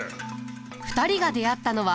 ２人が出会ったのは。